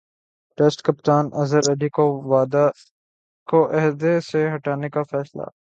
test کپتان اظہرعلی کو عہدہ سےہٹانےکا فیصلہ